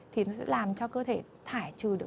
thì nó sẽ làm cho cơ thể thải trừ được